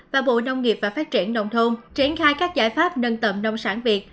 và bộ nông nghiệp và phát triển nông thôn triển khai các giải pháp nâng tầm nông sản việt